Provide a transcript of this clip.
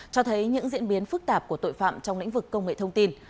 cho thấy những diễn biến phức tạp của tội phạm trong lĩnh vực công nghệ thông tin